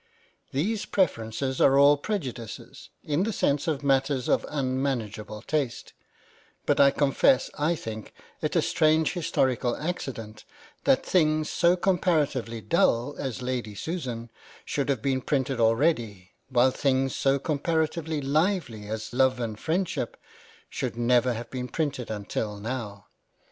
These preferences are all prejudices, in the sense of matters of unmanageable taste ; but I confess I think it a strange historical accident that things so comparatively dull as " Lady Susan " should have been printed already, while things so comparatively lively as " Love and Freindship " should never have been printed until now.